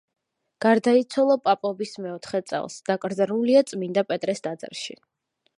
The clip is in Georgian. გარდაიცვალა პაპობის მეოთხე წელს, დაკრძალულია წმინდა პეტრეს ტაძარში.